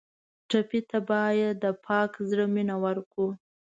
ټپي ته باید د پاک زړه مینه ورکړو.